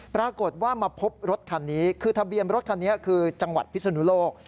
ปรากฏว่ามาพบรถคันนี้คือทะเบียนรถคันนี้คือจังหวัดพิศนุโลก